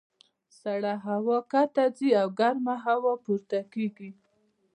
سړه هوا ښکته ځي او ګرمه هوا پورته کېږي.